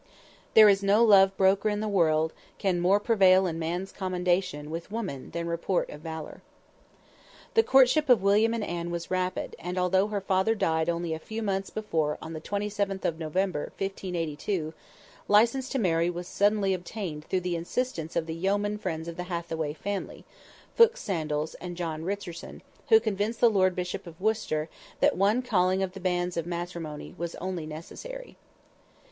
"There is no love broker in the world can more prevail in man's commendation with woman than report of valor." The courtship of William and Anne was rapid, and although her father died only a few months before the 27th of November, 1582, license to marry was suddenly obtained through the insistence of the yeoman friends of the Hathaway family, Fulke Sandells and John Richardson, who convinced the Lord Bishop of Worcester that one calling of the banns of matrimony was only necessary.